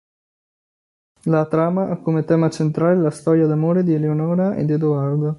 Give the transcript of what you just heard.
La trama ha come tema centrale la storia d'amore di Eleonora ed Edoardo.